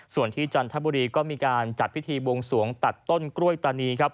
ส่วนที่จันทบุรีก็มีการจัดพิธีบวงสวงตัดต้นกล้วยตานีครับ